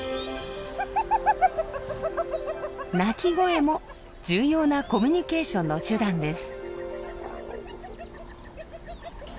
鳴き声も重要なコミュニケーションの手段です。